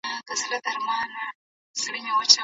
زه به د نوټونو بشپړونه کړي وي.